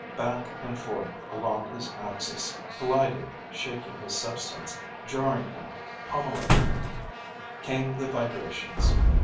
Back and forth along his axis, colliding, shaking his substance, jarring him, pommeling him, came the vibrations.